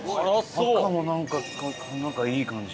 赤もなんかなんかいい感じ。